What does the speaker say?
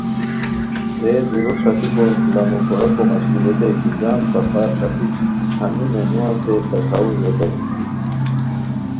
رے دُورو ݰاپیکو انتظام کوراکو مَݰکی ریتائے کی جم صفار ݰاپیک ہمی مینوانتے پاچاؤر ریتائے